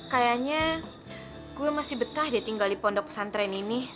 kayaknya gue masih betah dia tinggal di pondok pesantren ini